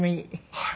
はい。